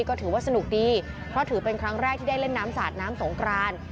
ก็ถือว่าสนุกดีเพราะถือเป็นครั้งแรกที่ได้เล่นน้ำสาดน้ำสงกราน